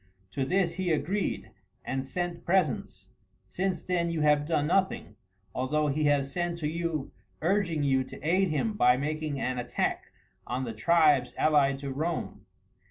To this he agreed, and sent presents. Since then you have done nothing, although he has sent to you urging you to aid him by making an attack on the tribes allied to Rome.